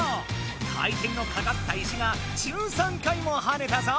回転のかかった石が１３回もはねたぞ！